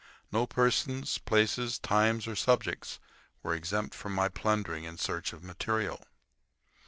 No persons, places, times, or subjects were exempt from my plundering in search of material.